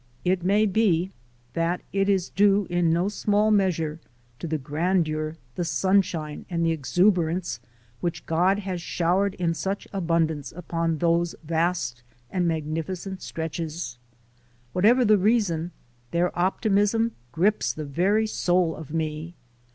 It may be that it is due in no small measure to the grandeur, the sunshine and the exuberance which God has showered in such abun dance upon those vast and magnificent stretches! Whatever the reason, their optimism grips the very soul of me.